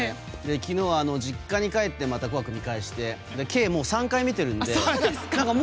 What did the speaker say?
昨日は実家に帰って「紅白」を見返してと計３回見てるので。